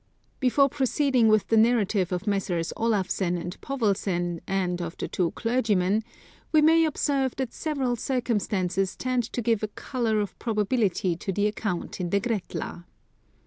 Before proceeding with the narrative of Messrs. Olafsen and Povelsen, and of the two clergymen, we may observe that several circumstances tend to give a colour of probability to the account in the Gretla.